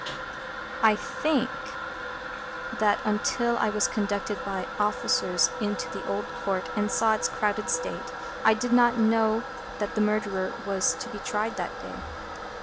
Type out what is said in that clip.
I think that, until I was conducted by officers into the Old Court and saw its crowded state, I did not know that the Murderer was to be tried that day.